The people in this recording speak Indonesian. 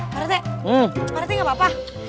pak rete pak rete gak apa apa